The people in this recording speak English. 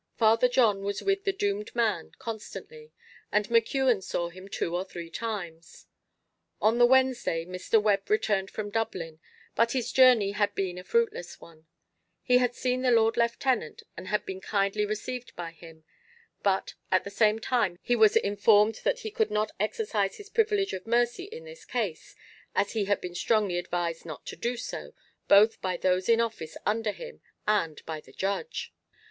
Father John was with the doomed man constantly, and McKeon saw him two or three times. On the Wednesday Mr. Webb returned from Dublin, but his journey had been a fruitless one; he had seen the Lord Lieutenant, and had been kindly received by him; but at the same time he was informed that he could not exercise his privilege of mercy in this case, as he had been strongly advised not to do so, both by those in office under him and by the judge.